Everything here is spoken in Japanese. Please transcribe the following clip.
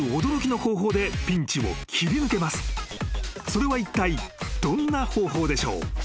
［それはいったいどんな方法でしょう？］